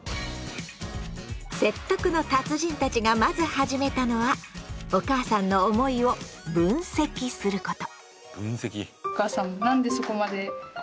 説得の達人たちがまず始めたのはお母さんの思いを分析すること。